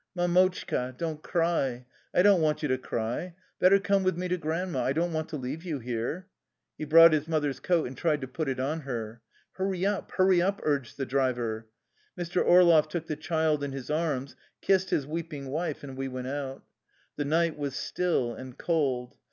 ^^ Mdmotchka, don't cry. I don't want you to cry. Better come with me to Grandma. I don't want to leave you here." He brought his mother's coat and tried to put it on her. " Hurry up, hurry up," urged the driver. Mr. Orloff took the child in his arms, kissed his weep ing wife, and we went out. The night was still and cold.